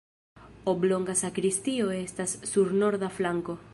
Oblonga sakristio estas sur norda flanko.